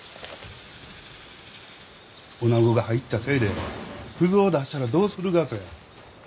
おなごが入ったせいで腐造を出したらどうするがぜ。